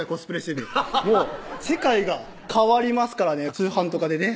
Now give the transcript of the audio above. アハハハッ世界が変わりますからね通販とかでね